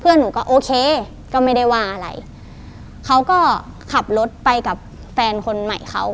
หนูก็โอเคก็ไม่ได้ว่าอะไรเขาก็ขับรถไปกับแฟนคนใหม่เขา